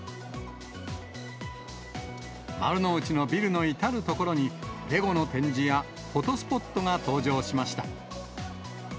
丸の内のビルの至る所に、レゴの展示やフォトスポットが登場しました。